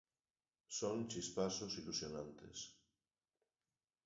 Son chispazos ilusionantes.